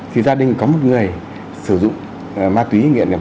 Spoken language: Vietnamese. thì gia đình có một người sử dụng ma túy nghiện nhập